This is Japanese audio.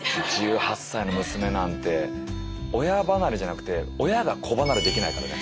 １８歳の娘なんて親離れじゃなくて親が子離れできないからね。